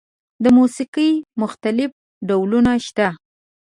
د موسیقۍ مختلف ډولونه شته.